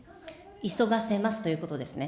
急がせますということですね。